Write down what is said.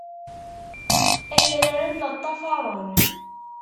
Akraren la ṭṭafaren.